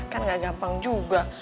kan gak gampang juga